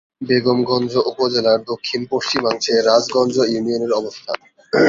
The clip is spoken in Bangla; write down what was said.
বেগমগঞ্জ উপজেলার দক্ষিণ-পশ্চিমাংশে রাজগঞ্জ ইউনিয়নের অবস্থান।